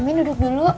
min duduk dulu